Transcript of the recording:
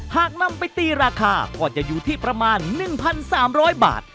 หากนำไปตีราคาก็จะอยู่ที่ประมาณ๑๓๐๐บาท